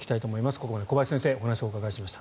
ここまで小林先生にお話をお伺いしました。